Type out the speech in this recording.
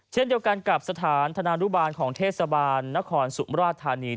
เช่นเดียวกันกับสถานธนานุบาลของเทศบาลนครสุมราชธานี